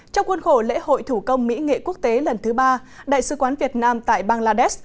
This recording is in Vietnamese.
trong khuôn khổ lễ hội thủ công mỹ nghệ quốc tế lần thứ ba đại sứ quán việt nam tại bangladesh